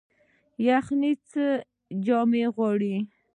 یخني څه جامې غواړي؟